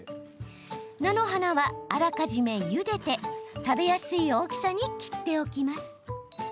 菜の花は、あらかじめゆでて食べやすい大きさに切っておきます。